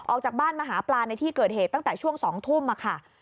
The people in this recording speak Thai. ออกจากบ้านมาหาปลาในที่เกิดเหตุตั้งแต่ช่วง๒ทุ่มค่ะ